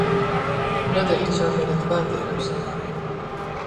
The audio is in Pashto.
نه د هیچا منتبار دی رب زما